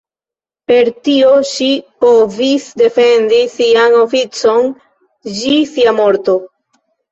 Per tio ŝi povis defendi sian oficon ĝi sia morto.